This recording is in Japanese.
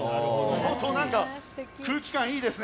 相当、空気感いいですね。